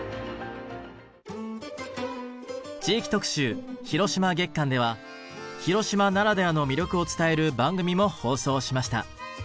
地域特集・広島月間では広島ならではの魅力を伝える番組も放送しました。